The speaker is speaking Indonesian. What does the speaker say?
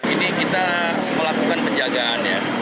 ini kita melakukan penjagaan ya